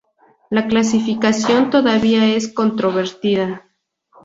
La clasificación todavía es controvertida.